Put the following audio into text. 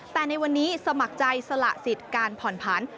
แต่ในวันนี้สมัครใจสละสิทธิ์การผ่อนผัน